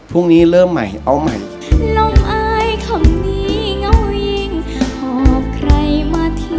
พรุ่งนี้เริ่มใหม่เอาใหม่